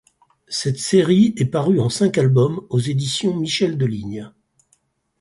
Cette série est parue en cinq albums aux éditions Michel Deligne.